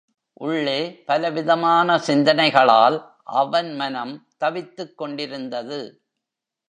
உள்ளே பலவிதமான சிந்தனைகளால் அவன் மனம் தவித்துக் கொண்டிருந்தது.